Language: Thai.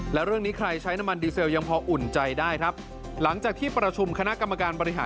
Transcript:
แล้วเรื่องนี้ใครใช้น้ำมันซีสเซลยังพออุ่นใจได้ครับ